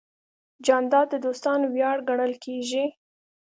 جانداد د دوستانو ویاړ ګڼل کېږي.